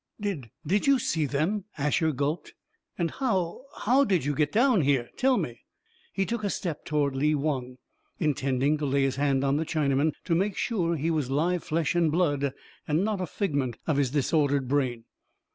"Did did you see them?" Asher gulped. "And how how did you get down here? Tell me!" He took a step toward Lee Wong, intending to lay his hand on the Chinaman, to make sure he was live flesh and blood, and not a figment of his disordered brain.